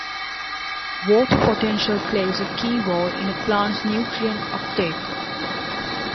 Water potential plays a key role in a plant's nutrient uptake.